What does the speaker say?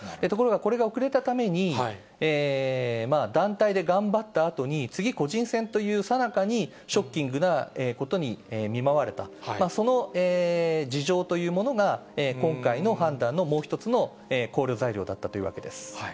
ところがこれが遅れたために、団体で頑張ったあとに、次、個人戦というさなかにショッキングなことに見舞われた、その事情というものが、今回の判断のもう１つの考慮材料だったというわけです。